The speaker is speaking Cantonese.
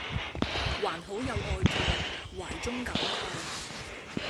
還好有愛在懷中感慨